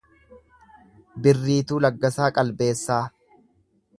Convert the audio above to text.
Birriituu Laggasaa Qalbeessaa